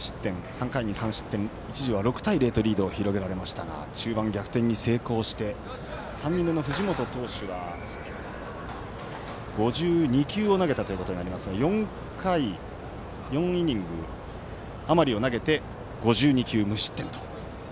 ３回に３失点、一時は６対０とリードを広げられましたが中盤、逆転に成功して３人目の藤本投手は４イニング余りを投げて５２球、無失点と。